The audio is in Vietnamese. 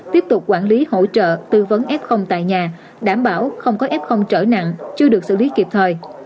tiếp tục quản lý hỗ trợ tư vấn f tại nhà đảm bảo không có f trở nặng chưa được xử lý kịp thời